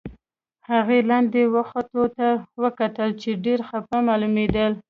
هغې لاندې و ختو ته وکتل، چې ډېر خپه معلومېدل.